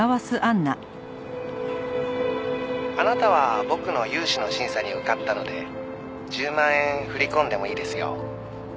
「あなたは僕の融資の審査に受かったので１０万円振り込んでもいいですよ」